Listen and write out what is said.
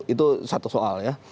itu satu soal ya